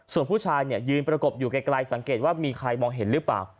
ส่วนผู้ชายยืนประกบอยู่ไกลสังเกตว่ามีใครมองเห็นหรือเปล่า